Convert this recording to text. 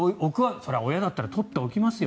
それは親だったら取っておきますよ